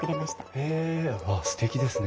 へえすてきですね。